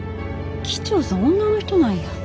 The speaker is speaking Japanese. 機長さん女の人なんや。